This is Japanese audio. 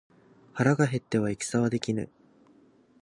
腹が減っては戦はできぬ。